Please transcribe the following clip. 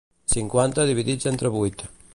Cinquanta dividits entre vint.